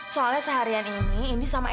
soalnya seharian ini indi sama tante